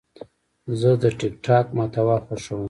زه د ټک ټاک محتوا خوښوم.